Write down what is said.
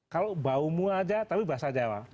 kalau baumu aja tapi bahasa jawa